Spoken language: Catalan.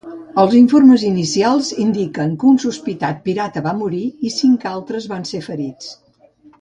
Els informes inicials indiquen que un sospitat pirata va morir i cinc altres van ser ferits.